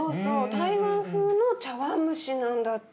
台湾風の茶わん蒸しなんだって。